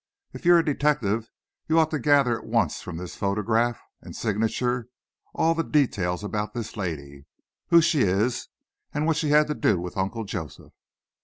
"If you're a detective, you ought to gather at once from this photograph and signature all the details about this lady; who she is, and what she had to do with Uncle Joseph."